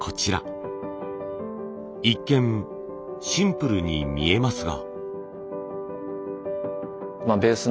一見シンプルに見えますが。